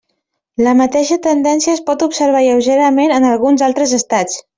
La mateixa tendència es pot observar lleugerament en alguns altres estats.